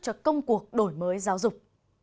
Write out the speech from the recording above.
cho công cuộc đổi mới giáo dục